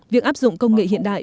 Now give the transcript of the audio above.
việc áp dụng công nghệ hiện đại